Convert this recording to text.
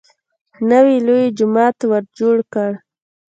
نوی لوی جومات ورجوړ کړ.